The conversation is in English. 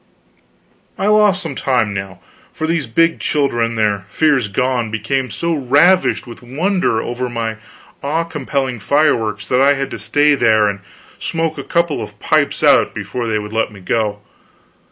I lost some time, now, for these big children, their fears gone, became so ravished with wonder over my awe compelling fireworks that I had to stay there and smoke a couple of pipes out before they would let me go.